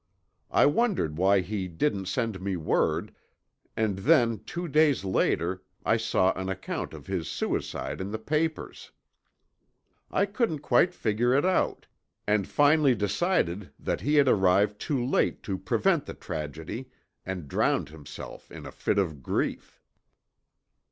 I wondered why he didn't send me word, and then two days later I saw an account of his suicide in the papers. I couldn't quite figure it out, and finally decided that he had arrived too late to prevent the tragedy and drowned himself in a fit of grief."